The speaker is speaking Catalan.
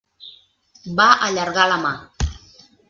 Va allargar la mà.